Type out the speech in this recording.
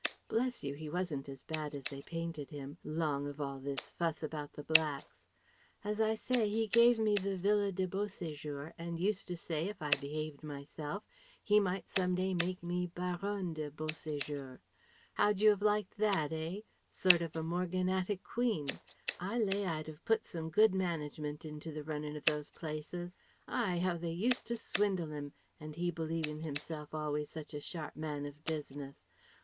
Bless you, he wasn't as bad as they painted him, 'long of all this fuss about the blacks. As I say, he gave me the Villa de Beau séjour, and used to say if I behaved myself he might some day make me 'Baronne de Beau séjour.' How'd you have liked that, eh? Sort of morganatic Queen? I lay I'd have put some good management into the runnin' of those places. Aïe! How they used to swindle 'im, and he believing himself always such a sharp man of business!